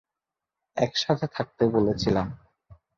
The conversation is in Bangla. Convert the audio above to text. একসাথে থাকতে বলেছিলাম।